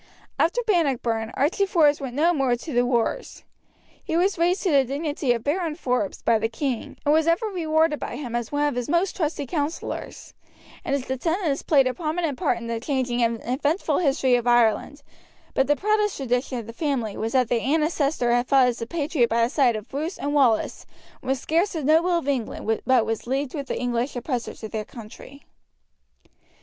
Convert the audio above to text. After Bannockburn Archie Forbes went no more to the wars. He was raised to the dignity of Baron Forbes by the king, and was ever rewarded by him as one of his most trusty councillors, and his descendants played a prominent part in the changing and eventful history of Scotland; but the proudest tradition of the family was that their ancestor had fought as a patriot by the side of Bruce and Wallace when scarce a noble of Scotland but was leagued with the English oppressors of their country.